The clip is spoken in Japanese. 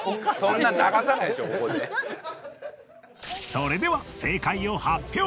それでは正解を発表。